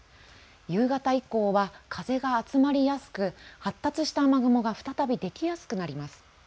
夕方以降は風が集まりやすく発達した雨雲が再びできやすくなります。